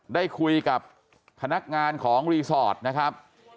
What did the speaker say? ได้คุยกับพนักงานของรีสอร์ทนะครับ